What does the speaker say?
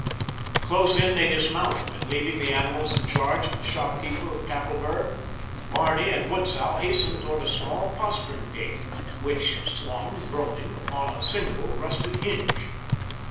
Close in they dismounted, and leaving the animals in charge of the shopkeeper of Tafelberg, Barney and Butzow hastened toward a small postern gate which swung, groaning, upon a single rusted hinge.